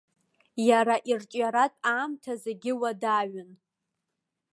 Иара ирҿиаратә аамҭа зегьы уадаҩын.